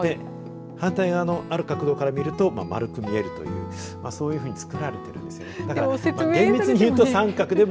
反対側のある角度から見ると丸く見えるというそういうふうに作られているんです。